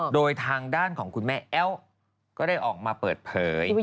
โดยทางด้านของคุณแม่แอ้วก็ได้ออกมาเปิดเผย